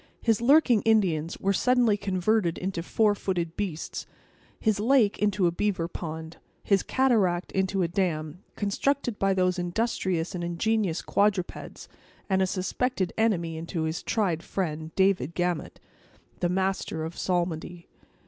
His lurking Indians were suddenly converted into four footed beasts; his lake into a beaver pond; his cataract into a dam, constructed by those industrious and ingenious quadrupeds; and a suspected enemy into his tried friend, David Gamut, the master of psalmody.